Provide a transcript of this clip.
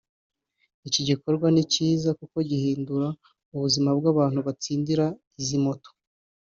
Iki gikorwa ni cyiza kuko gihindura ubuzima bw’abantu batsindira izi moto